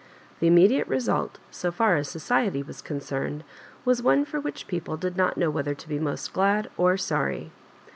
The immediate result, so far as sociely was concerned, was one for which people did not know whether to be most glad or soiry.